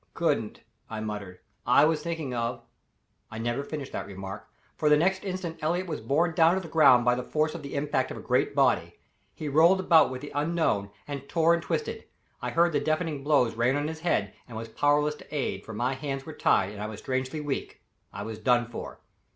"Couldn't," I muttered. "I was thinking of " I never finished that remark, for the next instant Elliott was borne down to the ground by the force of the impact of a great body. He rolled about with the unknown, and tore and twisted. I heard the deafening blows rain on his head, and was powerless to aid, for my hands were tied and I was strangely weak I was done for.